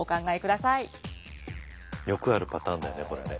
よくあるパターンだよねこれね。